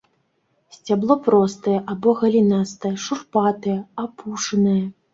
Сцябло простае або галінастае, шурпатае, апушанае.